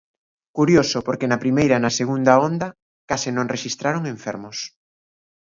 Curioso porque na primeira e na segunda onda case non rexistraron enfermos.